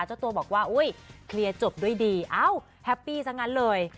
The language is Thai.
เจ้าตัวบอกว่าอุ๊ยเคลียร์จบด้วยดีเอ้าแฮปปี้ซะงั้นเลย